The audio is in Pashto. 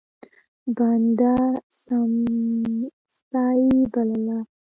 بنده سمڅه يې بلله.